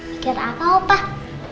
mikir apa opah